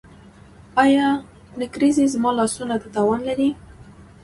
ایا نکریزې زما لاسونو ته تاوان لري؟